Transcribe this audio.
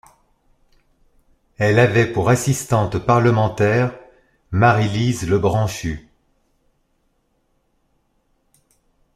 Elle avait pour assistante parlementaire Marylise Lebranchu.